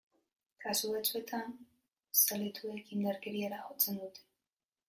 Kasu batzuetan, zaletuek indarkeriara jotzen dute.